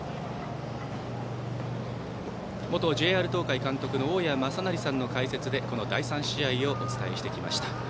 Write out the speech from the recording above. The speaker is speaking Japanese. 元ＪＲ東海監督の大矢正成さんの解説でこの第３試合をお伝えしてきました。